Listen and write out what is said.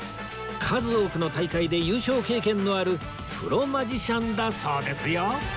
数多くの大会で優勝経験のあるプロマジシャンだそうですよ